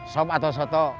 sop atau soto